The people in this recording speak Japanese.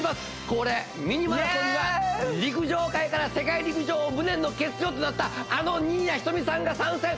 恒例ミニマラソンが陸上界から世界陸上を無念の欠場となったあの新谷仁美さんが参戦